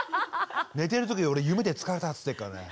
寝てる時俺夢で「疲れた」って言ってるからね。